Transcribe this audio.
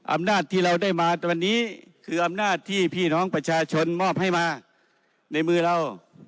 อำนาจที่เราได้มาวันนี้คืออำนาจที่พี่น้องประชาชนมอบให้มาในมือเรา